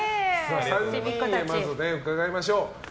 ３人にまず伺いましょう。